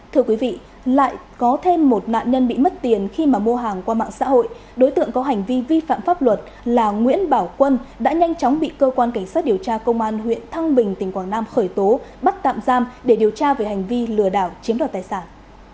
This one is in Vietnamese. thưa quý vị lại có thêm một nạn nhân bị mất tiền khi mà mua hàng qua mạng xã hội đối tượng có hành vi vi phạm pháp luật là nguyễn bảo quân đã nhanh chóng bị cơ quan cảnh sát điều tra công an huyện thăng bình tỉnh quảng nam khởi tố bắt tạm giam để điều tra về hành vi lừa đảo chiếm đoạt tài sản